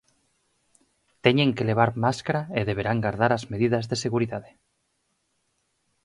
Teñen que levar máscara e deberán gardar as medidas de seguridade...